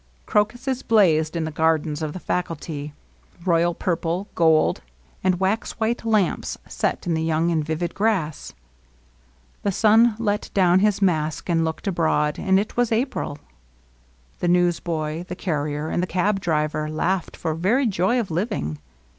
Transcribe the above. Cro cuses blazed in the gardens of the faculty, — royal LOVELINESS. 19 purple^ gold^ and wax white lamps set in the young and vivid grass. The sun let down his mask and looked abroad^ and it was April. The newsboy the carrier and the cab driver laughed for very joy of living.